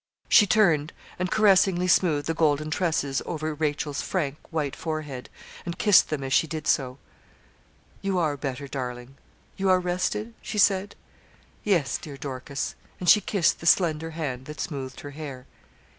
She turned, and caressingly smoothed the golden tresses over Rachel's frank, white forehead, and kissed them as she did so. 'You are better, darling; you are rested?' she said. 'Yes, dear Dorcas,' and she kissed the slender hand that smoothed her hair.